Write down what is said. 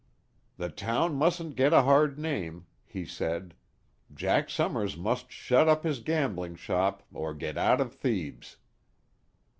"The town mustn't get a hard name," he said; "Jack Summers must shut up his gambling shop, or get out of Thebes."